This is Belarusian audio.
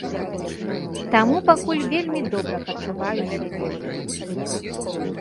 Таму пакуль вельмі добра пачуваю сябе.